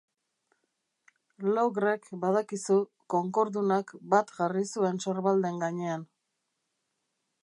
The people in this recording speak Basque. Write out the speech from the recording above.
Logrek, badakizu, konkordunak, bat jarri zuen sorbalden gainean.